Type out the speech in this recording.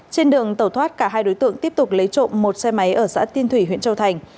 trên đường tẩu thoát cả hai đối tượng tiếp tục lấy trộm một xe máy ở xã tiên thủy huyện châu thành